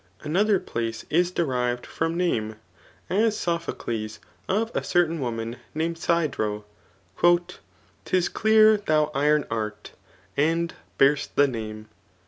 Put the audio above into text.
Another place is derived from name ; as Sopho cles [of a certain woman named Sidero^ 'Tls clear thou iron art, and bcar'st the name.